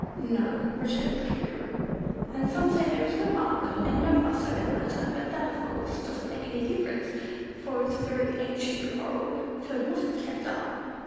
"No," returned the Kangaroo, "and some say there was no ark, and no fuss over the matter, but that, of course, doesn't make any difference, for it's a very ancient quarrel, so it must be kept up.